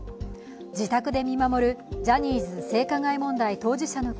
自宅で見守るジャニーズ性加害問題当事者の会